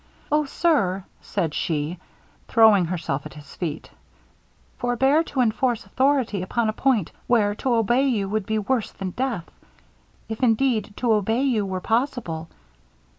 'O! sir,' said she, throwing herself at his feet, 'forbear to enforce authority upon a point where to obey you would be worse than death; if, indeed, to obey you were possible.'